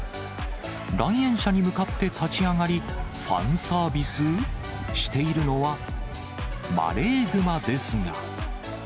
来園者に向かって立ち上がり、ファンサービス？しているのは、マレーグマですが。